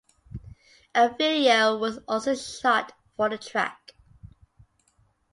A video was also shot for the track.